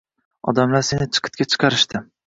Odamlar seni chiqitga chiqarishdi.